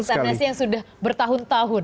dengan tax amnesty yang sudah bertahun tahun